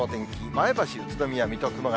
前橋、宇都宮、水戸、熊谷。